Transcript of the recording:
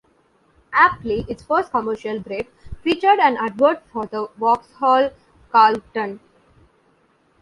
Aptly, its first commercial break featured an advert for the Vauxhall Carlton.